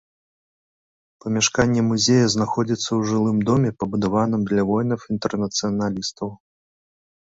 Памяшканне музея знаходзіцца ў жылым доме, пабудаваным для воінаў-інтэрнацыяналістаў.